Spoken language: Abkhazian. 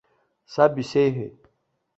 Саб исеиҳәеит.